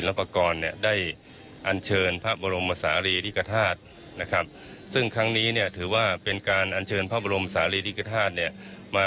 ศนศนหนากรเนี่ยด้ายอนเชิญพระบบรมศาลีฐิกษาภาษณ์นะครับซึ่งครั้งนี้เนี่ยถือว่าเป็นการอนเชิญพระบบรมศาลีฐิกษาภาษณ์เนี่ยมา